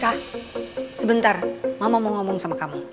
kah sebentar mama mau ngomong sama kamu